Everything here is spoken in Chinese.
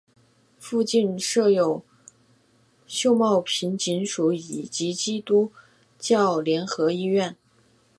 附近设有秀茂坪警署及基督教联合医院。